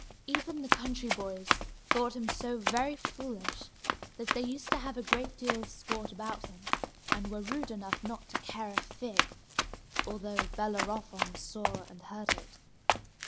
Even the country boys thought him so very foolish that they used to have a great deal of sport about him, and were rude enough not to care a fig, although Bellerophon saw and heard it.